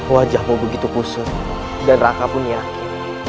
wajahmu begitu pusut dan raka pun yakin